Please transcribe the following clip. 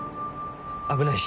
危ないし。